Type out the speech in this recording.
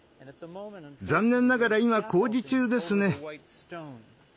残念ながら今工事中ですね。